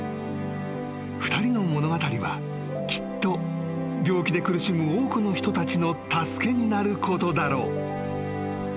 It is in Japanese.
［２人の物語はきっと病気で苦しむ多くの人たちの助けになることだろう］